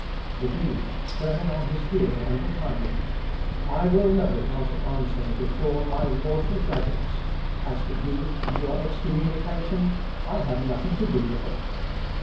The Dean (turning on his heel and retiring). "I will know how to answer before my lawful judges: as for you and your excommunication I have nothing to do with them."